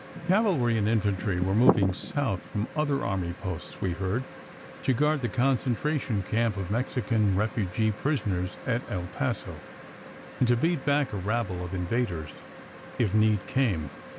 Cavalry and infantry were moving south from other army posts, we heard, to guard the concentration camp of Mexican refugee prisoners at El Paso, and to beat back a rabble of invaders if need came.